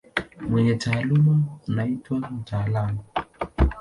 Mwenye taaluma anaitwa mtaalamu.